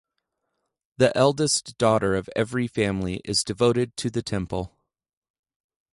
The eldest daughter of every family is devoted to the temple.